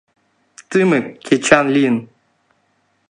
Тымык, кечан лийын.